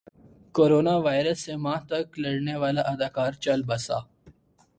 corona virus سے ماہ تک لڑنے والا اداکار چل بسا